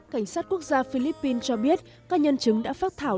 cảnh sát quốc gia philippines cho biết các nhân chứng đã phát thảo